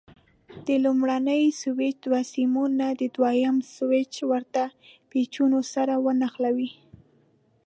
د لومړني سویچ دوه سیمونه د دوه یم سویچ ورته پېچونو سره ونښلوئ.